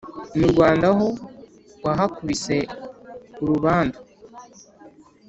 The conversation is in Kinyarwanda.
Mu Rwanda ho wahakubise urubandu,